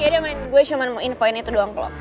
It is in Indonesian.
yaudah man gue cuma mau infoin itu doang ke lo